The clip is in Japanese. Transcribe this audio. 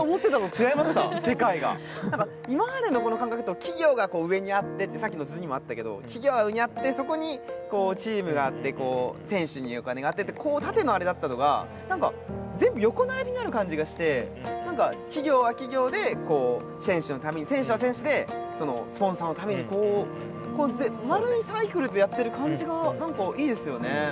何か今までのこの感覚だと企業が上にあってさっきの図にもあったけど企業が上にあってそこにチームがあって選手に縦のあれだったのが何か全部横並びになる感じがして何か企業は企業で選手のために選手は選手でスポンサーのためにこう円いサイクルでやってる感じがいいですよね。